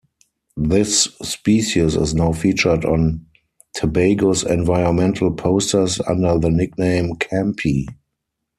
This species is now featured on Tobago's environmental posters under the nickname "Campy".